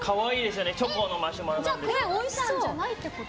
チョコのマシュマロなんですけど。